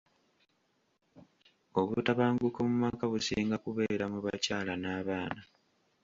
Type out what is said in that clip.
Obutabanguko mu maka businga kubeera mu bakyala n'abaana.